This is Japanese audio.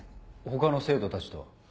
他の生徒たちとは？